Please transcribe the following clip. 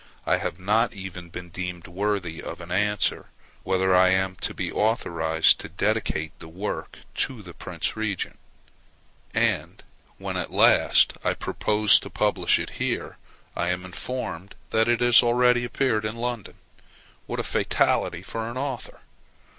I have not even been deemed worthy of an answer, whether I am to be authorized to dedicate the work to the Prince Regent; and when at last I propose to publish it here, I am informed that it has already appeared in London. What a fatality for an author!!!